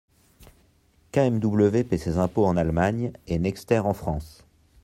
KMW paie ses impôts en Allemagne et Nexter en France.